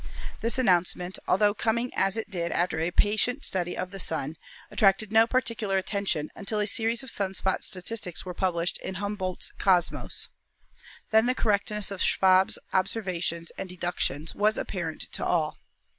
This announcement, altho coming as it did after a patient study of the Sun, attracted no particular attention until a series of sun spot statistics were pub lished in Humboldt's "Kosmos." Then the correctness of Schwabe's observations and deductions was apparent to all.